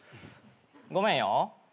ごめんよ。